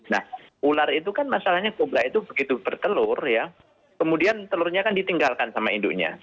nah ular itu kan masalahnya kobra itu begitu bertelur ya kemudian telurnya kan ditinggalkan sama induknya